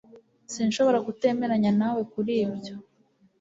Sinshobora kutemeranya nawe kuri ibyo